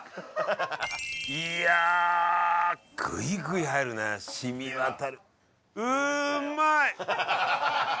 いやぐいぐい入るねしみ渡るうまい！